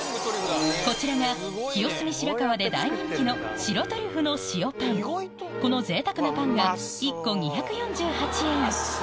こちらが清澄白河で大人気のこのぜいたくなパンが１個２４８円